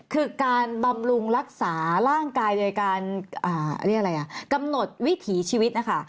คือการบำรุงรักษาร่างกายโดยการเรียกอะไรอ่ะกำหนดวิถีชีวิตนะคะ